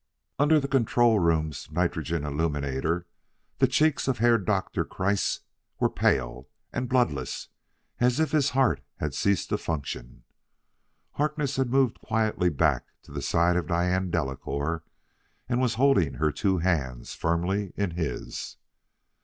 Under the control room's nitron illuminator the cheeks of Herr Doktor Kreiss were pale and bloodless as if his heart had ceased to function. Harkness had moved quietly back to the side of Diane Delacouer and was holding her two hands firmly in his.